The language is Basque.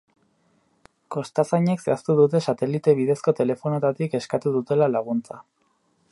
Kostazainek zehaztu dute satelite bidezko telefonoetatik eskatu dutela laguntza.